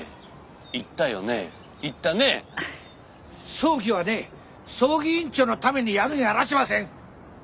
葬儀はね葬儀委員長のためにやるんやあらしません！